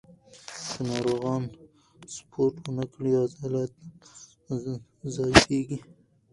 که ناروغان سپورت ونه کړي، عضلات ضعیفېږي.